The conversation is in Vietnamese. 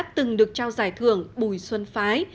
từng được trao giải thưởng bùi xuân phái